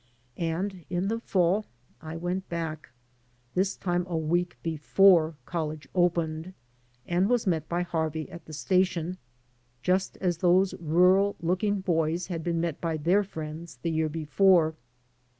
And in the fall I went back — ^this time a week hefote college opened — and was met by Harvey at the station, just as those rural looking boys had been met by their friends the year before.